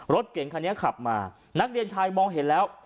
รถเก่งคันนี้ขับมานักเรียนชายมองเห็นแล้ว